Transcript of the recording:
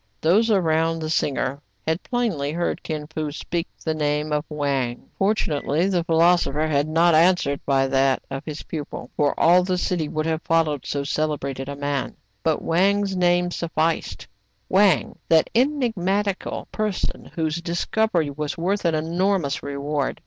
Those around the singer had plainly heard Kin Fo speak the name Wang. Fortunately the philosopher had not an swered by that of his pupil ; for all the city would THE CELEBRATED LAMENT I4S have followed so celebrated a man. But Wang's name sufficed, — Wang, that enigmatical person, whose discovery was worth an enormous reward.